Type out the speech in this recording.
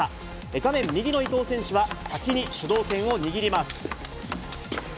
画面右の伊藤選手は、先に主導権を握ります。